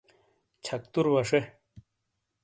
چھکتُر وَشے۔